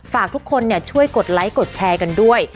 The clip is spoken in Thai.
ฝากทุกคนช่วยกดไลค์กดแชร์กันด้วย